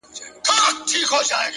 ښه عادتونه خاموشه پانګه ده.!